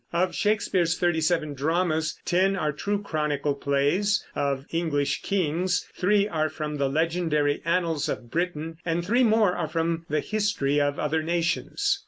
Of Shakespeare's thirty seven dramas, ten are true Chronicle plays of English kings; three are from the legendary annals of Britain; and three more are from the history of other nations.